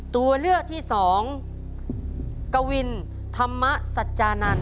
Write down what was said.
ตัวเลือกที่สองกวินธรรมสัจจานันท